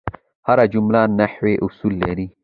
هره جمله نحوي اصول لري.